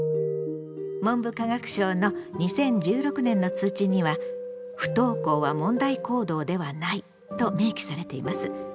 文部科学省の２０１６年の通知には「不登校は問題行動ではない」と明記されています。